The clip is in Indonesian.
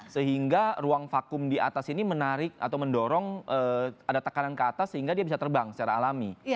sehingga ruang vakum di atas ini menarik atau mendorong ada tekanan ke atas sehingga dia bisa terbang secara alami